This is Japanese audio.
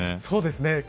そうですね。